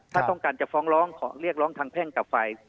ถ้าต้องการจะฟ้องร้องขอเรียกร้องทางแพ่งกลับไป